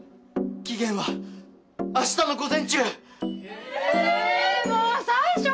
期限は明日の午前中。